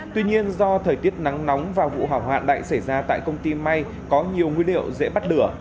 tuy nhiên do thời tiết nắng nóng và vụ hỏa hoạn lại xảy ra tại công ty may có nhiều nguyên liệu dễ bắt lửa